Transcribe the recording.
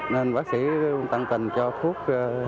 nên bác sĩ tăng tầng cho thuốc